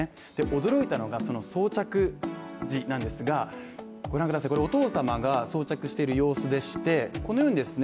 驚いたのがその装着時なんですがこれお父様が装着している様子でしてこのようにですね